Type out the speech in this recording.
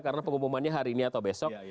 karena pengumumannya hari ini atau besok